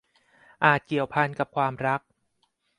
อาจเกี่ยวพันกับความรัก